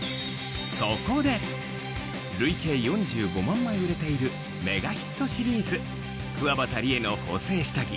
累計４５万枚売れているメガヒットシリーズくわばたりえの補整下着